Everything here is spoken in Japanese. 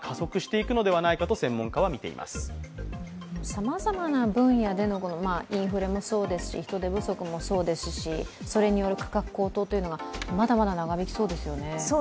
さまざまな分野での、インフレもそうですし人手不足もそうですし、それによる価格高騰というのがまだまだ長引きそうですよね。